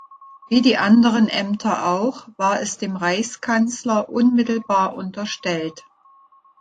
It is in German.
Wie die anderen Ämter auch war es dem Reichskanzler unmittelbar unterstellt.